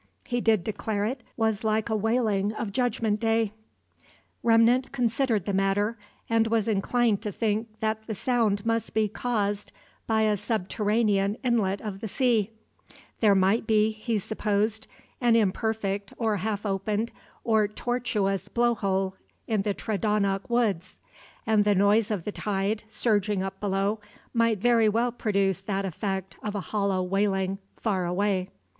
He did declare it was like a wailing of Judgment Day." Remnant considered the matter, and was inclined to think that the sound must be caused by a subterranean inlet of the sea; there might be, he supposed, an imperfect or half opened or tortuous blow hole in the Tredonoc woods, and the noise of the tide, surging up below, might very well produce that effect of a hollow wailing, far away.